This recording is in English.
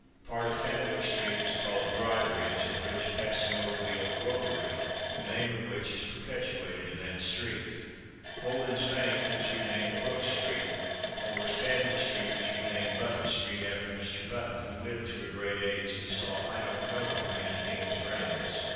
Part of Fenwick street was called Dry Bridge, a bridge passing over the Old Ropery, the name of which is perpetuated in that street. Holden's Weint was re named Brook street. Lower Stanley street was re named Button street, after Mr. Button, who lived to a great age, and saw I don't know how many king's reigns.